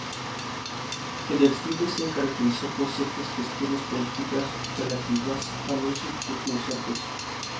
El desfile se caracterizó por ciertas cuestiones políticas relativas a los concursantes.